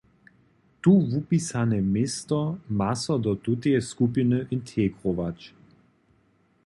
Tu wupisane městno ma so do tuteje skupiny integrować.